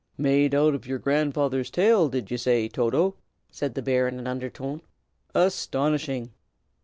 "Made out of your grandfather's tail, did you say, Toto?" said the bear, in an undertone. "Astonishing!"